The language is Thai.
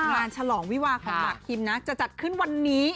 ฉลองวิวาของหมากคิมนะจะจัดขึ้นวันนี้